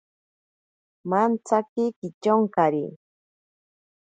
Mantsaki kichonkari.